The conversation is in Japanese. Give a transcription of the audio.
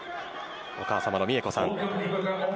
お母様の三恵子さん。